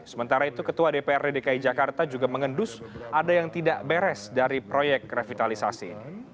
sementara itu ketua dprd dki jakarta juga mengendus ada yang tidak beres dari proyek revitalisasi